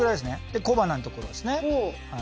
で小鼻のところですね。